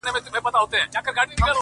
زه هم خطا وتمه’